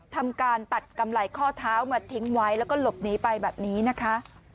ทำการตัดกำไรข้อเท้ามาทิ้งไว้แล้วก็หลบหนีไปแบบนี้นะคะ